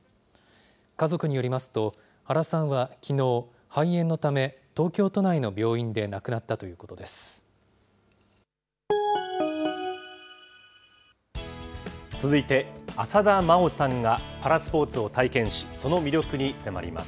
家族によりますと、原さんはきのう、肺炎のため、東京都内の病院続いて、浅田真央さんがパラスポーツを体験し、その魅力に迫ります。